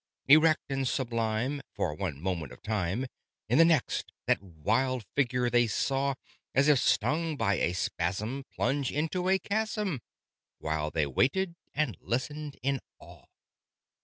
Erect and sublime, for one moment of time. In the next, that wild figure they saw (As if stung by a spasm) plunge into a chasm, While they waited and listened in awe.